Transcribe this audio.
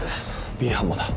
Ｂ班もだ。